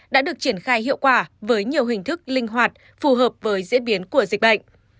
đã được triển khai hiệu quả với nhiều hình thức linh hoạt phù hợp với diễn biến của dịch bệnh